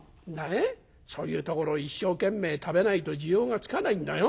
ねえそういうところ一生懸命食べないと滋養がつかないんだよ。